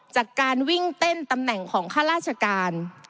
จากการวิ่งเต้นตำแหน่งของข้าราชการ